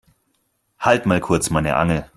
Halt mal kurz meine Angel.